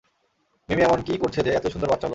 মিমি এমন কী করছে যে, এতো সুন্দর বাচ্চা হলো?